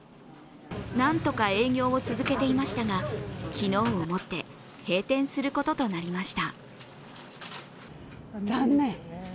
なんとか営業を続けていましたが、昨日をもって閉店することとなりました。